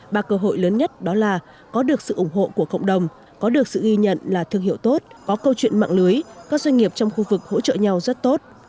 ba cơ hội lớn nhất đó là có được sự ủng hộ của cộng đồng có được sự ghi nhận là thương hiệu tốt có câu chuyện mạng lưới các doanh nghiệp trong khu vực hỗ trợ nhau rất tốt